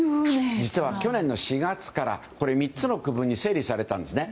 実は去年の４月から３つの区分に整理されたんですね。